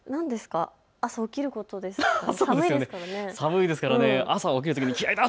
朝起きることですかね。